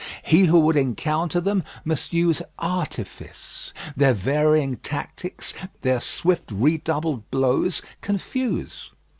He who would encounter them must use artifice. Their varying tactics, their swift redoubled blows, confuse.